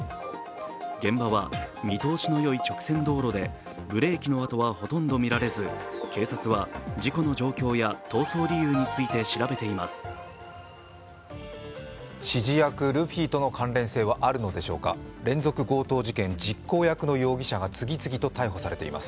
現場は見通しのいい直線道路でブレーキの跡はほとんど見られず警察は事故の状況や逃走理由について調べています。